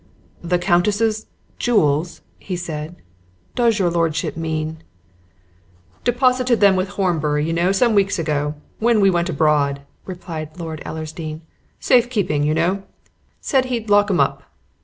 "The Countess's jewels!" he said. "Does your lordship mean " "Deposited them with Horbury, you know, some weeks ago when we went abroad," replied Lord Ellersdeane. "Safe keeping, you know said he'd lock 'em up."